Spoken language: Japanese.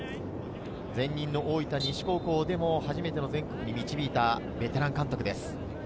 前任の大分西高校でも初めての全国に導いたベテラン監督です。